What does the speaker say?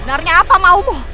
benarnya apa maumu